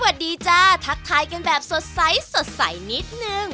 จ้าทักทายกันแบบสดใสสดใสนิดนึง